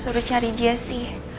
suruh cari jessy